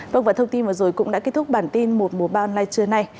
vâng và thông tin vừa rồi cũng đã kết thúc bản tin một mùa ba online trưa nay